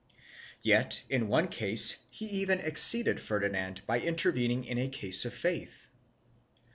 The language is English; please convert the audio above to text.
3 Yet in one case he even exceeded Ferdinand by intervening in a case of faith.